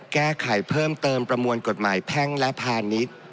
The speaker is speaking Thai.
แก้ไขเพิ่มเติมประมวลกฎหมายแพ่งและพาณิชย์